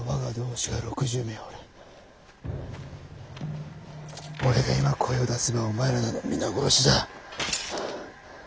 俺が今声を出せばお前らなど皆殺しだ。